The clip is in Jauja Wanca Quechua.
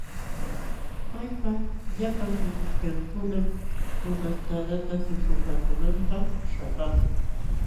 Paypa llapan willkankunam tunantadata tuśhupaakunanpaq śhapaamun.